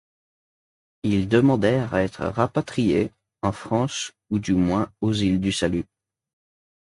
Ils demandèrent à être rapatriés, en France ou du moins aux îles du Salut.